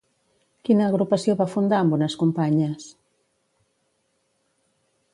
Quina agrupació va fundar amb unes companyes?